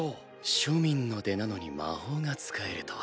庶民の出なのに魔法が使えるとは。